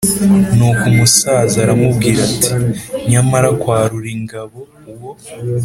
Nuko umusaza aramubwira ati: “Nyamara kwa Ruringabo uwo